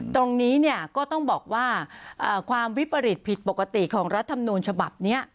ตรงนี้เนี่ยก็ต้องบอกว่าความวิปริตผิดปกติของรัฐมนูญฉบับนี้